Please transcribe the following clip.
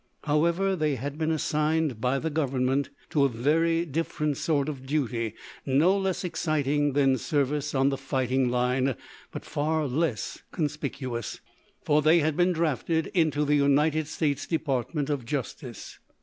However, they had been assigned by the Government to a very different sort of duty no less exciting than service on the fighting line, but far less conspicuous, for they had been drafted into the United States Department of Justice.